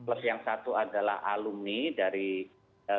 plus yang satu adalah alumni dari